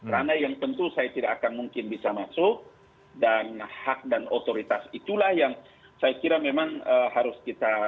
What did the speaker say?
rana yang tentu saya tidak akan mungkin bisa masuk dan hak dan otoritas itulah yang saya kira memang harus kita